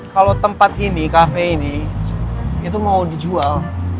kalau tempat ini kafe ini itu mau dijual